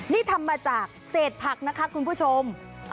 นี่ทำมาจากเศษผักนะคะคุณผู้ชม